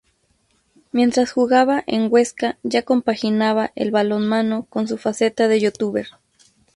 Mientras jugaba en Huesca ya compaginaba el balonmano con su faceta de "youtuber".